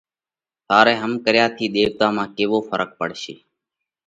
ٿارئہ هم ڪريا ٿِي ۮيوَتا مانه ڪيوو ڦرق پڙشي؟